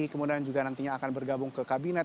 kemudian juga nantinya akan bergabung ke kabinet